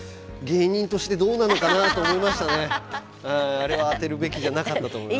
あれは当てるべきじゃなかったと思います。